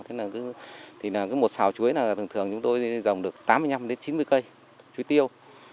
thế là cứ thì cứ một xào chuối là thường thường chúng tôi dòng được tám mươi năm đến chín mươi cây chuối tiêu